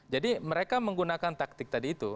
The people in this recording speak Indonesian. jadi mereka menggunakan taktik tadi itu